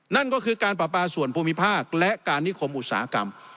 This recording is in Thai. นั่นก็คือการปราปาส่วนภูมิภาคและการนิคมอุตสาหกรรม